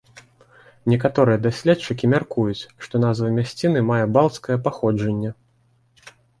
Некаторыя даследчыкі мяркуюць, што назва мясціны мае балцкае паходжанне.